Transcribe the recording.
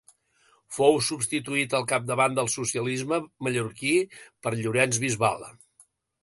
Fou substituït al capdavant del socialisme mallorquí per Llorenç Bisbal.